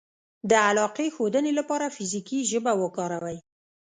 -د علاقې ښودنې لپاره فزیکي ژبه وکاروئ